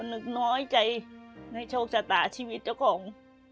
ก็นึกน้อยใจในโชคศาตาชีวิตเจ้าค่ะ